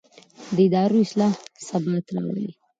د ادارو اصلاح ثبات راولي